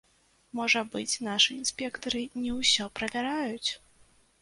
Можа быць, нашы інспектары не ўсё правяраюць?